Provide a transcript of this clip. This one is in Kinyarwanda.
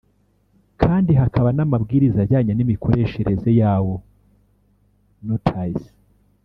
kandi hakaba n’amabwiriza ajyanye n’imikoreshereze yawo (notice)